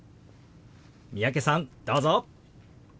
三宅さんどうぞ。